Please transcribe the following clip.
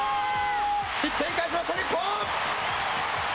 １点返しました、日本。